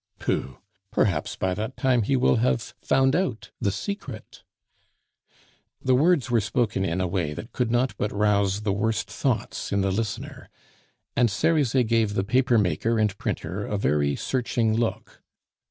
"Pooh! Perhaps by that time he will have found out the secret." The words were spoken in a way that could not but rouse the worst thoughts in the listener; and Cerizet gave the papermaker and printer a very searching look.